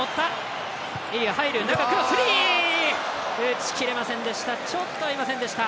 打ち切れませんでした。